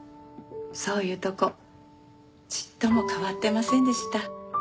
そういうとこちっとも変わってませんでした。